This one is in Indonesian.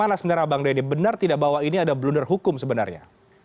bagaimana sebenarnya bang denny benar tidak bahwa ini ada blunder hukum sebenarnya